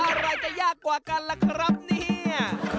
อะไรจะยากกว่ากันล่ะครับเนี่ย